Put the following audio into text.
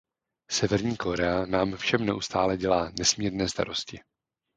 Severní Korea nám všem neustále dělá nesmírné starosti.